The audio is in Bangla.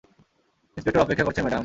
ইন্সপেক্টর অপেক্ষা করছেন, ম্যাডাম।